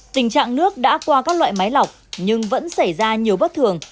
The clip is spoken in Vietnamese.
tình trạng nước đã qua các loại máy lọc nhưng vẫn xảy ra nhiều bất thường